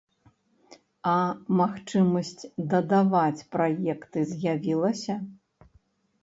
А магчымасць дадаваць праекты з'явілася?